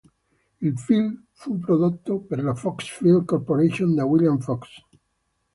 Il film fu prodotto per la Fox Film Corporation da William Fox.